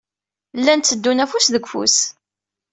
Llan tteddun afus deg ufus.